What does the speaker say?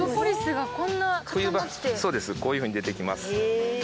そうですこういうふうに出てきます。